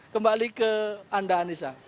kembali ke anda anissa